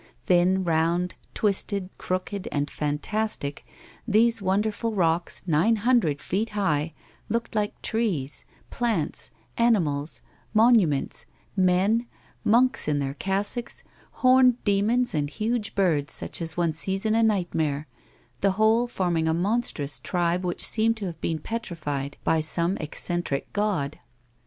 Thin, round, twisted, crooked, and fantastic, these wonderful rocks, nine hundred feet high, looked like trees, plants, animals, monuments, men, monks in their cassocks, horned demons and huge birds, such as one sees in a nightmare, the whole forming a monstrous tribe which seemed to have been petrified by some eccentric god.